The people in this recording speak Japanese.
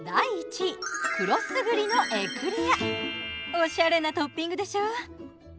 おしゃれなトッピングでしょ。